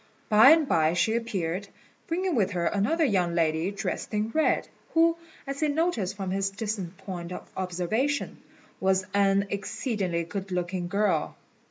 By and by she appeared, bringing with her another young lady dressed in red, who, as he noticed from his distant point of observation, was an exceedingly good looking girl.